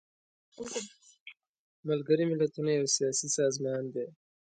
ملګري ملتونه یو سیاسي سازمان دی.